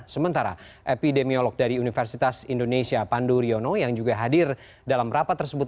sementara epidemiolog dari universitas indonesia pandu riono yang juga hadir dalam rapat tersebut